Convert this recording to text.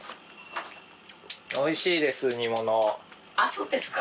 そうですか。